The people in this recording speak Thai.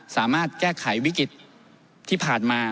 สามารถแก้ไขวิกฤตที่ผ่านมา